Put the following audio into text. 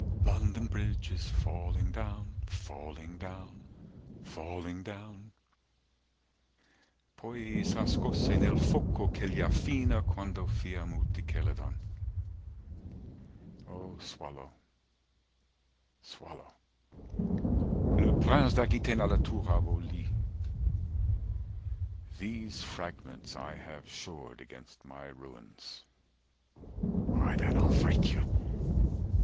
425 London Bridge is falling down falling down falling down Poi s'ascose nel foco che gli affina Quando fiam ceu chelidon—O swallow swallow Le Prince d'Aquitaine à la tour abolie These fragments I have shored against my ruins 430 Why then Ile fit you.